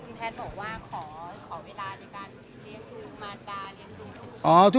คุณแพทย์บอกว่าขอขอเวลาในการเรียกคุณมาตราเรียกลู